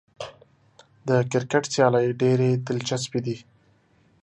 د کرکټ سیالۍ ډېرې دلچسپې دي.